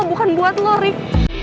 bukan buat lo rick